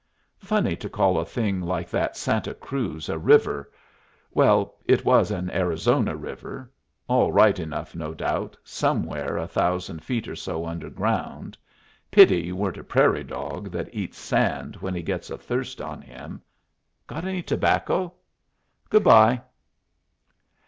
Funny to call a thing like that Santa Cruz a river! Well, it was an Arizona river; all right enough, no doubt, somewhere a thousand feet or so underground. Pity you weren't a prairie dog that eats sand when he gets a thirst on him. Got any tobacco? Good bye.